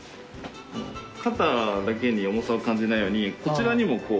肩だけに重さを感じないようにこちらにもこう逃がす。